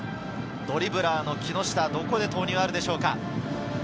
ドリブラーの木下、どこで投入があるでしょうか。